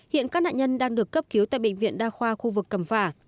hiện các nạn nhân đang được cấp cứu tại bệnh viện đa khoa khu vực cẩm phả